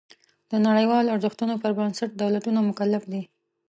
د نړیوالو ارزښتونو پر بنسټ دولتونه مکلف دي.